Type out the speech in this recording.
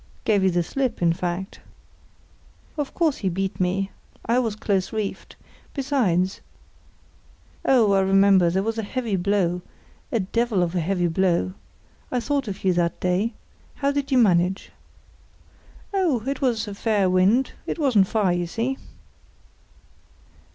"Gave you the slip, in fact?" "Of course he beat me; I was close reefed. Besides——" "Oh, I remember; there was a heavy blow—a devil of a heavy blow. I thought of you that day. How did you manage?" "Oh, it was a fair wind; it wasn't far, you see."